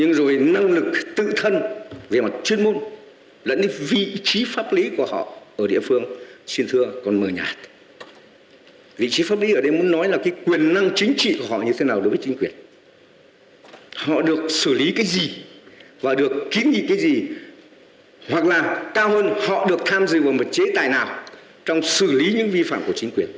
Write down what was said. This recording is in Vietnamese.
hoặc là cao hơn họ được tham dự bằng một chế tài nào trong xử lý những vi phạm của chính quyền